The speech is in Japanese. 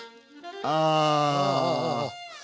ああ！